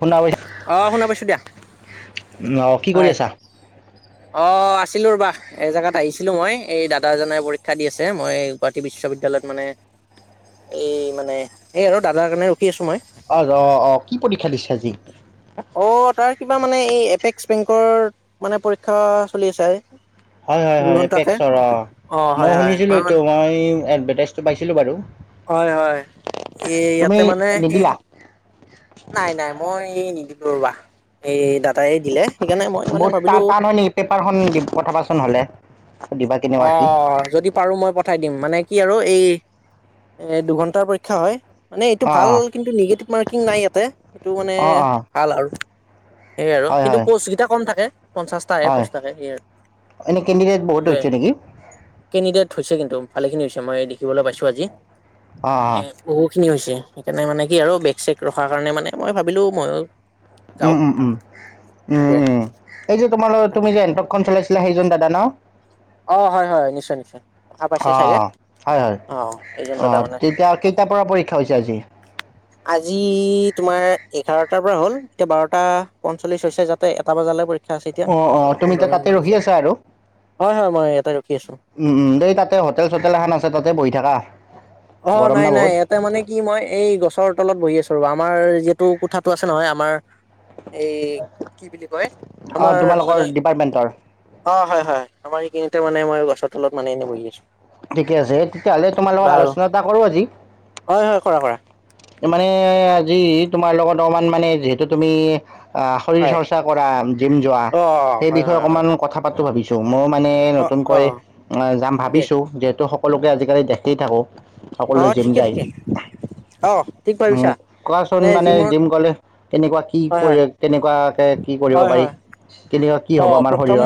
শুনা অ', শুনা পাইছোঁ দিয়া। অঁ কি কৰি হয় আছা? অ আছিলোঁ ৰ'বা, এজেগাত আহিছিলোঁ মই এই দাদাজনে পৰীক্ষা দি আছে মই গুৱাহাটী বিশ্ববিদ্যালয় মানে এই মানে সেই আৰু দাদাৰ কাৰণে ৰখি আছো মই। অ অ অ কি পৰীক্ষা দিছে আজি? অ তাৰ কিবা মানে এই এপেক্স বেংকৰ মানে পৰীক্ষা চলি আছে আজি। হয় হয় হয় এপ্ৰেক্সৰ অ। হয় মইও হয় শুনিছিলো মানে এইটো মই এডভাৰটাইজটো পাইছিলো বাৰু। হয় হয় এই তুমি ইয়াতে মানে সেই নিদিলা নাই নাই মই এই নিদিলো ৰবা এই দাদাই দিলে। সেইকাৰণে মই মানে বহুত টা ভাবিলো টান হয় নেকি? পেপাৰখন পঠাবাচোন নহলে। অ যদি পাৰো মই পঠাই দিম, মানে কি আৰু এই এ দুঘণ্টাৰ পৰীক্ষা হয়। মানে এইটো অঁ ভাল অঁ কিন্তু নিগেটিভ মাৰ্কিং নাই ইয়াতে এইটো মানে অঁ ভাল আৰু। সেয়ে আৰু অঁ হয় কিন্তু হয় পষ্ট কেইটা কম থাকে পঞ্চাশটাহে হয় পষ্ট থাকে সেই আৰু এনেই কেণ্ডিডেট বহুত সেইটোৱে। হৈছে নেকি কেণ্ডিডেট হৈছে কিন্তু ভালেখিনি হৈছে মই দেখিবলৈ পাইছো আজি। অঁ অঁ এ বহু খিনি হৈছে সেইকাৰণে মানে কি আৰু বেক চেক ৰখাৰ কাৰণে মানে মই ভাবিলো মইও উম উম উম উম উম এই যে তোমালোক তাকে তুমি যে এনটকখন চলাই চিলা সেইজন দাদা ন? অ হয় হয় নিশ্চয় নিশ্চয়, দেশা পাইছে অঁ চাগে। অঁ হয় হয় অ 'এইজন দাদা অঁ মানে তেতিয়া কেইটাৰ তাকেেত পৰা পৰীক্ষা হৈছে আজি আজি তোমাৰ এঘাৰটাৰ পৰা হ'ল এতিয়া বাৰটা পঞ্চল্লিশ হৈছে যাতে এটা বজালৈ। পৰীক্ষা আছে এতিয়া অ -অ আৰু তুমি পোন্ধৰ এতিয়া মিনিট তাতে মান আছে ৰখি আছা আৰু হয় হয় মই ইয়াতে ৰখি আছো উম দেই তাতে হোটেল চোটেল এখন আছে তাতে বহি থাকা। অ গৰম 'নাই না নাই বহুত এটা মানে কি মই এই গছৰ তলত বহি আছো। আমাৰ যিহেতু কথাাতটো আছে নহয় আমাৰ এই কি বুলি কয় অঁ আমাৰ তোমালোকৰ মানে ডিপাৰ্টমেণ্টৰ অ হয়। হয় আমাৰ এইখিনি মানে মাৰ গছ। ঠিকে আছে তেতিয়াাহলে তোমাৰ লগত বাৰু আলোচনা এটা কৰো আজি। হয় হয় কৰা কৰা। মানে আজি তোমাৰ লগত অকমান মানে যিহেতু তুমি। অ শৰীৰ হয় চৰ্চা কৰা জিম যোৱা অ সেই হয় বিষয়ে হয় হয় অকমান কথা পাতো ভাবিছো। মইও মানে অ অ নতুনকৈ ঠিকে অ সকলোৱে জিম ঠিকে যায় ঠিকে অ ঠিক উম ভাবিছা কোৱাচোন মানে জিম গলে কেনেকুৱা কি হয় হয় কৰি কেনেকুৱা কে কি কৰিব হয় পাৰি হয় কেনেকা অ প্ৰথম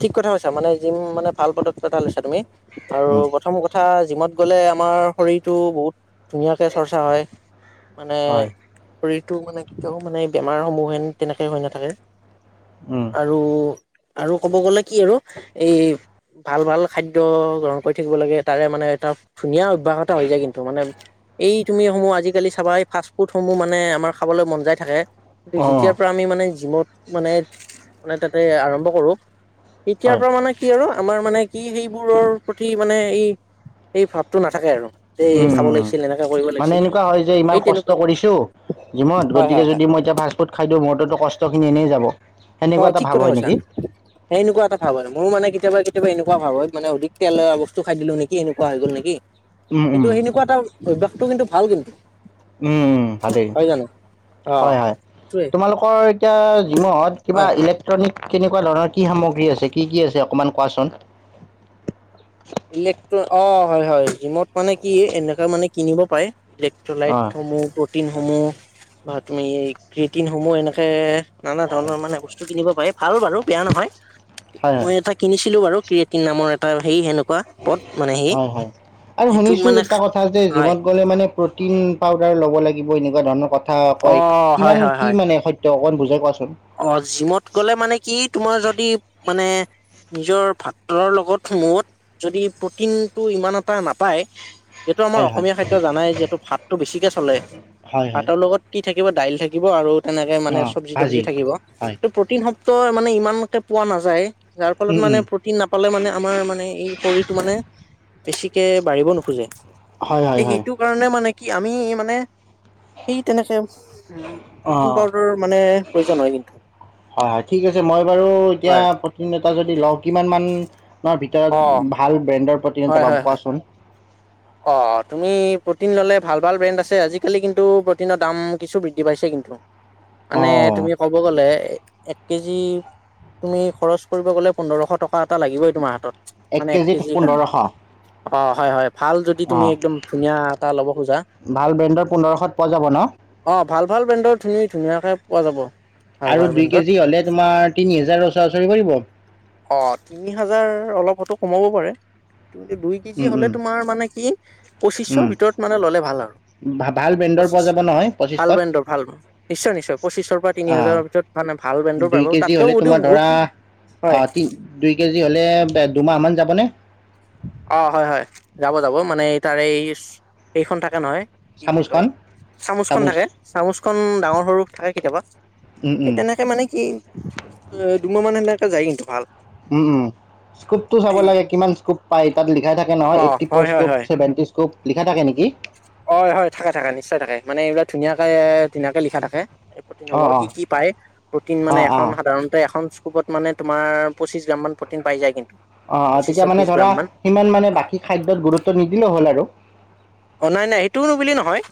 ঠিক কথা কৈছা মানে জিম মানে ভাল পদত পথা লৈছা তুমি আৰু উম, প্ৰথম কথা জিমত গ'লে আমাৰ শৰীৰটো বহুত ধুনীয়াকে চৰ্চা হয় মানে হয় শৰীৰ টো মানে কেতিয়াও মানে বেমাৰ সমূহেন তেনেকে হৈ নাথাকে উম, আৰু আৰু ক'ব গ'লে কি আৰু এই ভাল ভাল খাদ্য গ্ৰহণ কৰি থাকিব লাগে তাৰে মানে এটা ধুনীয়া অভ্যাস এটা হৈ যায় কিন্তু মানে এই তুমিসমূহ আজিকালি চাবাই ফাষ্ট ফুডসমূহ মানে আমাৰ খাবলৈ মন যায় থাকে কি অঁ, যেতিয়াৰ পৰা আমি মানে জিমত মানে মানে তাতে আৰম্ভ কৰো তেতিয়াৰ হয়। পৰা মানে কি আৰু আমাৰ মানে কি সেইবোৰৰ প্ৰতি মানে এই এই ভাৱটো নাথাকে আৰু এই উম, খাব উম, উম। লাগিছিল এনেকা কৰিব মানে লাগিছিল এনেকুৱা হয় যে ইমান সেই কষ্ট তেনেকুৱা কৰিছোঁ জিমত হয় গতিকে হয় হয় যদি মই এতিয়া ফাষ্টফুড খাই দিওঁ মোৰতোতো কষ্টখিনি এনেই যাব অ সেনেকুৱা এটা ঠিক ভাৱ কথা হয় কৈছা নেকি? সেই এনেকুৱা এটা ভাৱ আহে মোৰো মানে কেতিয়াবা কেতিয়াবা এনেকুৱা ভাৱ হয় মানে অধিক তেল বস্তু খাই দিলো নিকি এনেকুৱা হৈ গল নিকি উম, উম, কিন্তু সেনেকুৱা এটা অভ্যসটো কিন্তু ভাল কিন্তু উম ভালেই হয় জানো অ হয় হয় সেইটোৱে তোমালোকৰ এতিয়া জিমত কিবা হয় ইলেক্ট্ৰন নিক কেনেকুৱা ধৰণৰ কি সামগ্ৰী আছে কি কি আছে অকমান কোৱাচোন ইলে্ট্ৰ অ হয় হয় জিমত মানে কি এনেকা মানে কিনিব পাৰে ইলেক্ট্ৰ অঁ, লাইটসমূহ প্ৰটিনসমূহ বা তুমি ক্ৰেটিনসমূহ এনেকে নানা ধৰণৰ মানে বস্তু কিনিব পাৰে ভাল বাৰু বেয়া নহয় হয়, হয়, মই এটা কিনিছিলো বাৰু ক্ৰয়েটি নামৰ এটা সেই এনেকুৱা পত মানে হয় হয় আৰু শুনিছো এটা কথা যে হয় জিমত গলে মানে প্ৰটিন পাউডাৰ লব লব লাগিবই এনেকুৱা ধৰণৰ কথা অ কয় হয় কিমান হয় কি হয় মানে সত্য অকমান বুজাই কোৱাচোন অ জিমত গ'লে মানে কি তোমাৰ যদি মানে নিজৰ ভাতৰ লগত মত যদি প্ৰটিনটো ইমান এটা নাপায় যিহেতু আমাৰ হয়, হয়, অসমীয়া খাদ্য জানাই যিহেতু ভাতটো বেছিকে চলে হয়, হয়। ভাতৰ লগত কি থাকিব দাইল থাকিব আৰু তেনেকে মানে অঁ চব্জি তব্জি ভাজি থাকিব হয় ত প্ৰটিন শ ব্দ মানে ইমান কে পোৱা নাযায় যাৰ ফলত উম মানে উম প্ৰটিন নাপালে মানে আমাৰ মানে এই শৰীৰটো মানে বেছিকে বাঢ়িব নোখোজে হয় হয় এই হয় সিটো কাৰণে মানে কি আমি মানে সেই তেনেকে প্ৰটিন অঁ পাউদাৰ মানে প্ৰয়োজন হয় কিন্তু হয় হয় ঠিক আছে মই বাৰু এতিয়া হয় প্ৰটিন এটাকে যদি লও কিমান মানৰ অ', ভিতৰত ভাল ব্ৰেণ্ডৰ প্ৰ'টিন হয়, এটা পাম হয়, হয়। কোৱাচোন অ তুমি প্ৰ'টিন ল'লে ভাল ভাল ব্ৰেণ্ড আছে আজিকালি কিন্তু প্ৰটিনৰ দাম কিছু বৃদ্ধি পাইছে কিন্তু মানে অঁ তুমি ক'ব গ'লে এক কেজি তুমি খৰচ কৰিব গ'লে পোন্ধৰশ টকা এটা লাগিবই তোমাৰ হাতত মানে এক কেজিত কেজি কাৰণে পোন্ধৰশ অ হয় হয় ভাল যদি তুমি অঁ একদম ধুনীয়া এটা ল'ব খোজা ভাল ব্ৰেণ্ডৰ পোন্ধৰশত পোৱা যাব ন অ ভাল ভাল ব্ৰেণ্ডৰ ধুন ধুনীয়াকে পোৱা যাব ভাল আৰু ভাল দুই ব্ৰেণ্ডৰ কেজি হলে তোমাৰ তিনি হাজাৰ ওচৰা ওচৰি পৰিব অ তিনি হাজাৰ অলপ হয়তো কমাব পাৰে দুই কেজি উম হলে উম তোমাৰ মানে কি পঁচিশৰ উম ভিতৰত মানে ললে ভাল আৰু ভা- ভাল ব্ৰেণ্ডৰ পোৱা পঁচিশ যাব নহয় ভাল পঁচিছশত ব্ৰেণ্ডৰ ভাল নিশ্চয় নিশ্চয় পঁচিশৰ পৰা তিনি অঁ হাজাৰৰ ভিতৰত মানে ভাল ব্ৰেণ্ডৰ পাব তাতকেও হয়তো বহুত হয় অ তিন দুই কেজি হ'লে দুমাহ মান যাবনে অ হয় হয় যাব যাব মানে তাৰে এই এইখন থাকে নহয় কি বুলি কয়, চামুচখন চামুচখন চামুচ থাকে চামুচখন ডাঙৰ সৰু থাকে কেতিয়াবা। উম, সেই উম, তেনেকে মানে কি অ' দুমাহ মান সেনেকে যায় কিন্তু ভাল। উম উম, স্কোপটো চাব এই লাগে কিমান স্কোপ পাই? তাত লিখাই থাকে নহয়। অ এইটি ফৰ হয় হয় স্কপ, হয় ছেভেনটি স্কপ, লিখা থাকে নেকি? হয় হয়, থাকে থাকে, নিশ্চয় থাকে মানে এইবিলাক ধুনীয়াকে ধুনীয়াকে লিখা থাকে। এই প্ৰ'টিন হব অ', অ', কি কি পায় প্ৰ'টিন মানে অ', অ', এখন অ', সাধাৰণতে এখন কোপত মানে তোমাৰ পঁচিশ গ্ৰাম মান প্ৰ'টিন পাই যায় কিন অ' তেতিয়া মানে ধৰা, সিমান মানে হয় বাকী খাদ্যত গুৰুত্ব নিদিলেও হ'ল আৰু। অ' নাই নাই, এইটোওনো বুলি নহয়।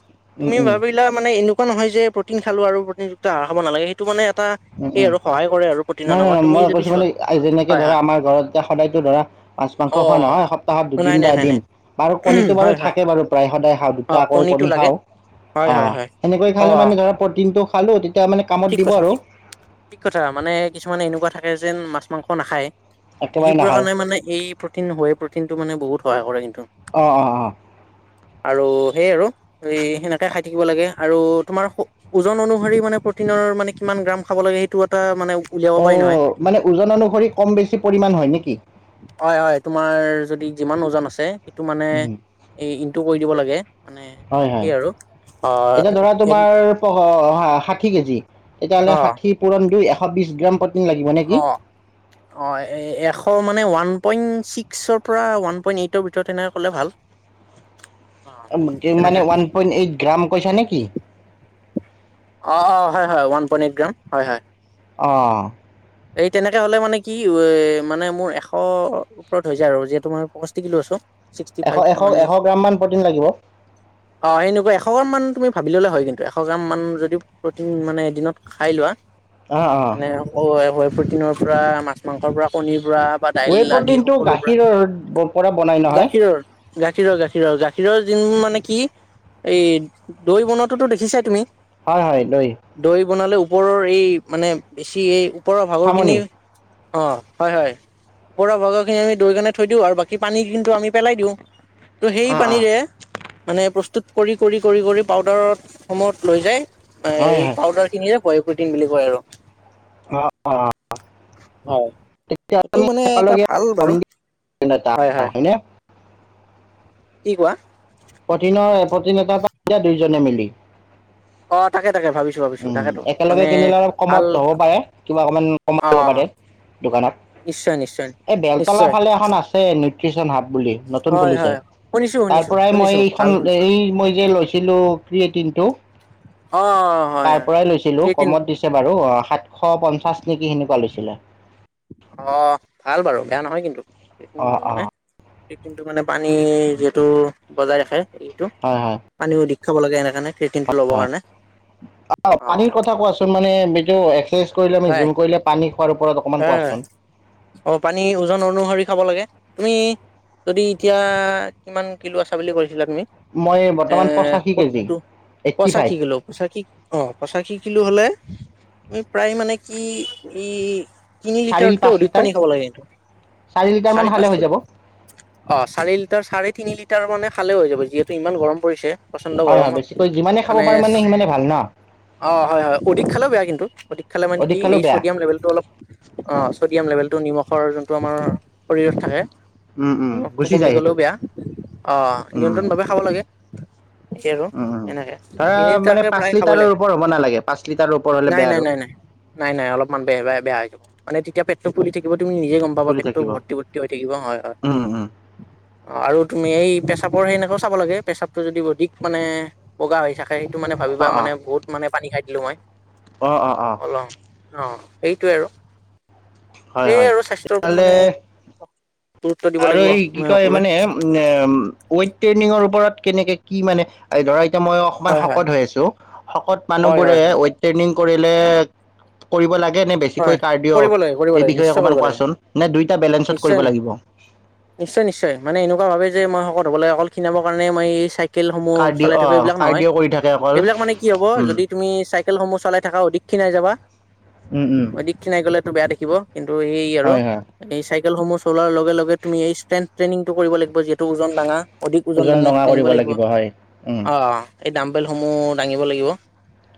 উম, তুমি উম, ভাবিলা মানে এনেকুৱা নহয় যে প্ৰ'টিন খালো আৰু প্ৰ'টিন। [unintelligible] নালাগে। সেইটো মানে, এটা উম সেই উম, আৰু সহায় কৰে আৰু প্ৰটিনৰ নাই নামত নাই, তুমি মই যদি কৈছোঁ চোৱা মানে যেনেকে হয় ধৰা, হয় আমাৰ ঘৰত এতিয়া সদায়তো ধৰা। মাছ, মাংস অ খোৱা নহয়, সপ্তাহত দুদিন নাই বা নাই নাই নাই এদিন বাৰু কণীতটো বাৰু হয় হয় থাকে বাৰু। প্ৰায় সদায় খাওঁ, অ দুটা কৈ কণীটো কণী লাগে খাওঁ, হয় অ, হয় হয় সেনেকৈ অ খালে মানে ধৰা প্ৰ'টিন টো খালো। তেতিয়া মানে কামত ঠিক দিব কথা আৰু। ঠিক কথা মানে কিছুমানে এনেকুৱা থাকে যেন মাছ, মাংস নাখায়। একেবাৰে সেইবোৰৰ নাখায়। কাৰণে মানে এই প্ৰ'টিন, হয় প্ৰ'টিন টো মানে বহুত সহায় কৰে কিন্তু। অ, অ, অ,। আৰু সেই আৰু সেনেকে খাই থাকিব লাগে আৰু তোমাৰ ওজন অনুসৰি মানে প্ৰ'টিনৰ মানে কিমান গ্ৰাম খাব লাগে সেইটো এটা মানে উলিয়াব অ, পাৰি নহয় মানে ওজন অনুসৰি কম, বেছি পৰিমাণ হয় নেকি? হয়, হয় তোমাৰ যদি যিমান ওজন আছে, সেইটো মানে উম, ইনটো কৰি দিব লাগে। মানে হয়, হয় সেই আৰু অ এতিয়া ধৰা এক তোমাৰ প ষাঠি কেজি তেতিয়া হ'লে অ ষাঠি পূৰণ দুই, এশ বিশ গ্ৰাম প্ৰ'টিন লাগিব নেকি অ, অ, এ এশ মানে ওৱান পইন্ট ছিক্সৰ পৰা ওৱান পইণ্ট, এইটৰ ভিতৰত সেনেকে ক'লে ভাল। অ তেনেকে মানে ওৱান পইণ্ট, এইট গ্ৰাম কৈছা নেকি? অ, অ, হয় হয় ওৱান পইন্ট, এইট গ্ৰাম হয়, হয়। অ,। এই তেনেকে হ'লে মানে কি? এ! মানে মোৰ এশৰ ওপৰত হৈ যায় আৰু যিহেতু মই পয়ষষ্ঠি কিলো আছো। চিক্সটি এশ ফাইভ এশ মানে এশ গ্ৰামমান প্ৰটিন লাগিব অ, সেনেকুৱা এশগ্ৰাম মান তুমি ভা বিললে হয় কিন্তু এশ গ্ৰাম মান যদি প্ৰ'টিন মানে এদিনত খাই লোৱা। অঁ অঁ মানে প্ৰ'টিনৰ পৰা মাছ, মাংসৰ পৰা কণীৰ পৰা বা ৱে দাইল আদি প্ৰটিনটো সকলো পৰা। গাখীৰৰ পৰা বনাই নহয় গাখীৰৰ, গাখীৰৰ, গাখীৰৰ, গাখীৰৰ যি মানে নে কি? এই দৈ বনোৱাতোতো দেখিছাই তুমি? হয়-হয়, লই। দৈ বনালে ওপৰৰ এই মানে বেছি এই ওপৰৰ ভাগৰখিনি, চামনি অ, হয়- হয়। ওপৰৰ ভাগৰ খিনি আমি দৈ কানে থৈ দিওঁ আৰু বাকী পানী সিন্তু আমি পেলাই দিওঁ। ত' সেই অঁ অঁ পানীৰে মানে প্ৰস্তুত কৰি কৰি কৰি কৰি পাউদাৰত সময়ত লৈ যায় হয় এই হয় পাউদাৰ সিনি ৰে [unintelligible] কোটিন বুলি কয় আৰু অ অ, হয় তেতিয়া সেইটো আমি মানে এটা একেলগে ভাল বাৰু [unintelligible] [unintelligible] হয় হয় হয়নে? কি কোৱা? প্ৰতিনেতা পাই যা দুয়োজনে মিলি। অ তাকে তাকে ভাবিছো ভাবিছো উম তাকেতো একেলগে মানে কিনিলে অলপ ভাল কমত হ'ব পাৰে কিবা অকমান কমত অ দিব পাৰে দোকানত। নিশ্চয় নিশ্চয় এ বেলতলা নিশ্চয় ফালে এখন আছে নিউট্ৰিচন হাব বুলি নতুন হয় খুলিছে, হয় শুনিছো তাৰ শুনিছো পৰাই মই শুনিছো এইখন ভাল শুনিছো এই মই যে লৈছিলো ক্ৰিয়েটিনটো অ হয় তাৰ পৰাই হয় লৈছিলো। ক্ৰিয়েটিন কমত দিছে বাৰু, অ। সাতশ পঞ্চাছ নেকি সেনেকুৱা লৈছিলে। অ' ভাল বাৰু, বেয়া নহয় কিন্তু। অ [unintelligible] অ মানে, সেই টিনতো মানে পানী যিহেতু বজাই ৰাখে। এইটো, হয় পানীও অধিক খাব লাগে এনে কাৰণে ক্ৰিয়েটিনটো ল'বৰ হয়, কাৰণে হয়। অ পানীৰ কথা কোৱাচোন মানে মিতৌ এক্সাৰচাইজ কৰিলে আমি হয় জিম কৰিলে পানী খোৱাৰ ওপৰত অকমান কোৱাচোন [unintelligible] অ', পানী ওজন অনুসৰি খাব লাগে। তুমি, যদি এতিয়া কিমান কিলো আছা বুলি কৈছিলা তুমি? মই এ, বৰ্তমান পঁচাশী কেজি সত্তো এইট্টি পঁচাশী ফাইভ কিলো পঁচাশী অ', পঁচাশী কিলো হলে [unintelligible] প্ৰায় মানে কি ই, তিনি চাৰি লিটাৰতকে পাঁচ অধিক লিটাৰ পানী খাব লাগে। লিটাৰমান চাৰি খালে পাঁচ হৈ লিট, যাব অ', চাৰি লিটাৰ চাৰে তিনি লিটাৰ মানে খালে হৈ যাব যিহেতু ইমান গৰম পৰিছে প্ৰচণ্ড হয় হয় গৰমত, বেছিকৈ যিমানে খাব মানে পাৰো সিমানে ভাল ন অ', হয়-হয় অধিক খালেও বেয়া কিন্তু অধিক খালে মানে অধিক কি খালেও এই বেয়া ছডিয়াম লেভেলটো অলপ অ', ছডিয়াম লেভেলটো নিমখৰ যোনটো আমাৰ শৰীৰত থাকে। উম উম নিমখটো গুচি কমি যায় সেইটো গলেও বেয়া। অ', উম নিয়ন্ত্ৰণ উম ভাৱে খাব লাগে। কে আৰু উম উম সেনেকে ধৰা তিনি মানে দুটাকে পাঁচ প্ৰায় খাবই লিটাৰৰ লাগে। ওপৰ হ'ব নালাগে পাঁচ লিটাৰৰ ওপৰ হ'লে বেয়া আৰু নাই-নাই-নাই-নাই। নাই নাই অলপমান বেয়া-বে-বেয়া, মানে তেতিয়া পেটটো ফুলি থাকিব তুমি নিজে গম পাবা ফুলি পেটটো থাকিব ভৰ্তি ভৰ্তি হৈ থাকিব হয়, হয়। উম উম অ', আৰু তুমি এই পে পেচাবৰ সেইনেকেও চাব লাগে পেচাবটো যদি অধিক মানে বগা হৈ থাক সেইটো মানে অ ভাবিবা অ মানে বহুত মানে পানী খাই দিলোঁ মই। অ', অ'। অল অ', সেইটোৱে আৰু। হয় এই হয় আৰু স্বাস্থ্যৰ ওপৰত তেতিয়াহ'লে মানে গুৰুত্ব দিব আৰু লাগিব এই কি আমি কয় সকলোৱে মানে [unintelligible] ৱেইট ট্ৰেইনিঙৰ ওপৰত কেনেকে কি মানে, ধৰাই তে মইয়ো কমান হয় হয় শকত হৈ আছোঁ, শকত মানুহ হয় বোৰে হয় হয় ৱেইট ট্ৰেইনিং কৰিলে, কৰিব লাগ গেনে হয় বেছিকৈ কৰিব কাৰ্ডিঅ', লাগে কৰিব এই লাগে বিষয়ে নিশ্চয় কৰিব অকমান লাগে কোৱাচোন নে দুইটা বেলেঞ্চত নিশ্চয় কৰিব লাগিব। নিশ্চয় নিশ্চয়, মানে এনেকুৱা ভাবে যে মই শকত হ'ব লাগে অকল খিনাবৰ কাৰণে মই এই চাইক কেলসমূহ কাৰ্ডিঅ' চলাই থাকো অ' এইবিলাক নহয়, কাৰ্ডিঅ' কৰি থাকে অকল এইবিলাক মানে কি হ'ব উম। যদি তুমি চাইকেলসমূহ চলাই থাকা অধিক খিনাই যাবা। উম, উম, অধিক ক্ষিনাই গলেতো বেয়া দেখিব, কিন্তু এই আৰু হয়, হয়, এই চাইক কেলসমূহ চলোৱাৰ লগে লগে তুমি এই ষ্ট্ৰেন্থ টেইনিংটো কৰিব লাগব যিহেতু ওজন ডাঙা। অধিক ওজন দাঙা ডঙা দাঙিব কৰিব লাগিব, হয়, উম, অ'। এই ডামবেলসমূহ দাঙিব লাগিব।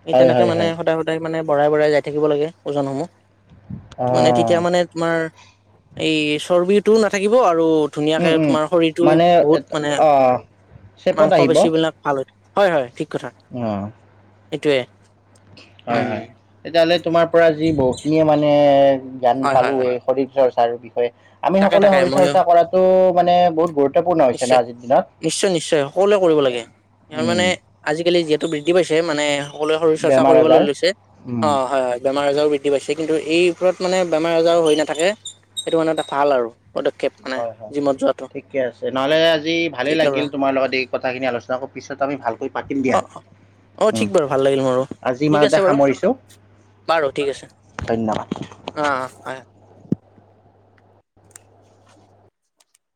এই হয়, তেনেকে হয়, মানে হয়। সদায় সদায় মানে বঢ়াই বঢ়াই যাই থাকিব লাগে। ওজনসমূহ, টো মানে তেতিয়া অ' মানে তোমাৰ এই চৰ্বিটোও নাথাকিব আৰু ধুনীয়াকে উম, উম, তোমাৰ শৰীৰটো মানে বহুত মানে, অ' চেপত মাংস আহিব পেশী বিলাক ভাল হয়। হয় হয়, ঠিক অ'। এইটোৱে। হয়, হয়। তেতিয়াহ'লে তোমাৰ পৰা আজি বহুখিনিয়ে মানে জ্ঞান হয় হয় হয় পালোৱেই শৰীৰ চৰ্চাৰ বিষয়ে, আমি তাকে সকলোৱে তাকে শৰীৰ ময়ো চৰ্চা কৰাটো মানে বহুত গুৰুত্ নিশ্চয়, নিশ্চয়-নিশ্চয়, সকলোৱে কৰিব লাগে, তাৰ উম, মানে আজিকালি যিহেত বৃদ্ধি পাইছে মানে সকলোৱে শৰীৰচৰ্চা বেমাৰ কৰিবলৈ আজাৰ লৈছে। উম, অ', হয় হয়, বেমাৰ আজাৰো বৃদ দ্ধি পাইছে, কিন্তু এই ওপৰত মানে বেমাৰ আজাৰ হৈ নাথাকে সেইটো মানে এটা ভাল আৰু পদক্ষেপ মানে হয়, হয়। জিমত যোৱাটো। ঠিকে আছে নহ'লে আজি ভালেই ঠিক আৰু লাগিল তোমাৰ লগত এই কথাখিনি আলোচনা ক' পিছত আমি ভালকৈ পাতিম অ দিয়া। অ', উম, ঠিক বাৰু ভাল লাগিল মোৰো, আজি ঠিক ইমানতে আছে বাৰু। সামৰিছোঁ বাৰু ঠিক আছে। ধন্যবাদ অ', অ', হয়।